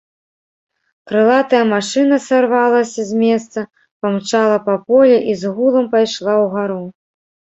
Крылатая машына сарвалася з месца, памчала па полі і з гулам пайшла ўгару.